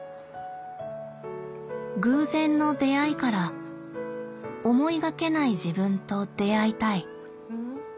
偶然の出会いから思いがけない自分と出会いたい。